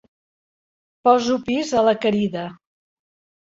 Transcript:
Poso pis a la querida.